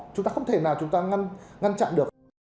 chúng ta không thể nào chúng ta ngăn chặn được